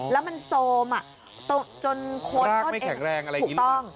แล้วมันโซมอะจนคนต้นเองรากไม่แข็งแรงอะไรกิน